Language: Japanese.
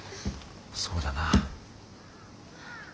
そうだな。